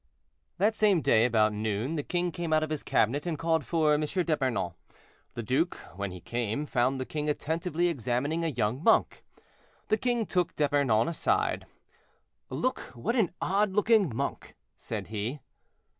That same day, about noon, the king came out of his cabinet and called for M. d'Epernon. The duke, when he came, found the king attentively examining a young monk. The king took D'Epernon aside, "Look, what an odd looking monk," said he.